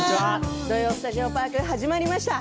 「土曜スタジオパーク」始まりました。